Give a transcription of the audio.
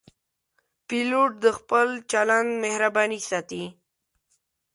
پیلوټ خپل چلند مهربان ساتي.